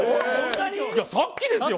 さっきですよ